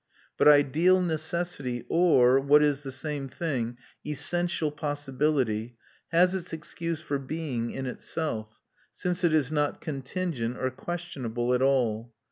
But ideal necessity or, what is the same thing, essential possibility has its excuse for being in itself, since it is not contingent or questionable at all.